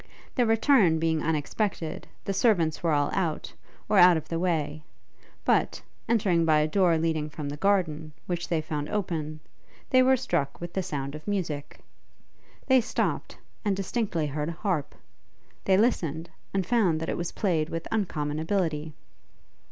Their return being unexpected, the servants were all out, or out of the way, but, entering by a door leading from the garden, which they found open, they were struck with the sound of music. They stopped, and distinctly heard a harp; they listened, and found that it was played with uncommon ability.